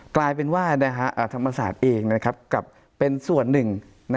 กลายเป็นว่าธรรมศาสตร์เองกลับเป็นส่วนหนึ่ง